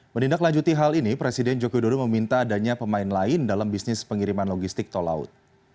menindaklanjuti hal ini presiden joko widodo meminta adanya pemain lain dalam bisnis pengiriman logistik tol laut